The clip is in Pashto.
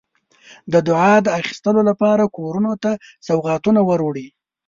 د دعا د اخیستلو لپاره کورونو ته سوغاتونه وروړي.